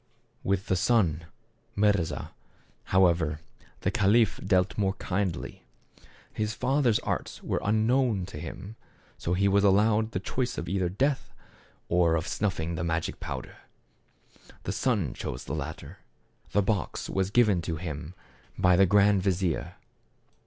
With the son, Mirza, however, the caliph dealt more kindly. His father's arts were unknown to hjm, so he was allowed the choice either of death, or of snuffing the magic powder. The son chose the latter. The box was given him by the grand vizier.